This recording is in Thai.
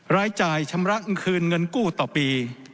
รายจ่ายชำระคืนเงินกู้ต่อปี